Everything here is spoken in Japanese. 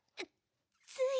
つい。